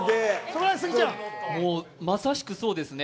まさしくそうですね。